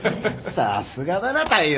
さすがだな大陽。